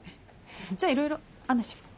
じゃあいろいろ案内してあげて。